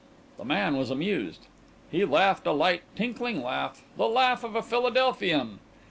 The man was amused. He laughed a light tinkling laugh, the laugh of a Philadelphian.